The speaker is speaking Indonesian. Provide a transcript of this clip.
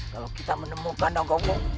kalau kita menemukan nonggok burung